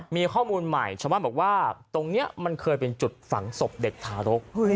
มีข้อมูลใหม่ชาวบ้านบอกว่าตรงนี้มันเคยเป็นจุดฝังศพเด็กทารก